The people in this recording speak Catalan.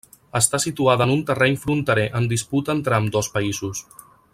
Està situada en un terreny fronterer en disputa entre ambdós països.